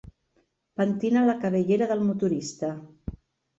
Pentina la cabellera del motorista.